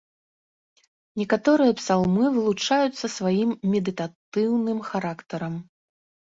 Некаторыя псалмы вылучаюцца сваім медытатыўным характарам.